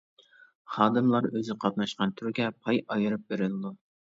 خادىملار ئۆزى قاتناشقان تۈرگە پاي ئايرىپ بېرىلىدۇ.